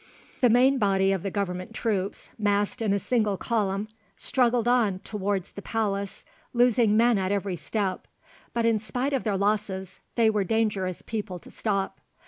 The main body of the Government troops, massed in a single column, struggled on towards the palace losing men at every step. But in spite of their losses, they were dangerous people to stop.